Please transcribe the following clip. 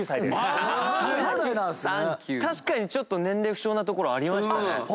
確かに年齢不詳なところありましたね。